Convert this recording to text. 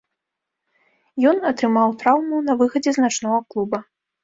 Ён атрымаў траўму на выхадзе з начнога клуба.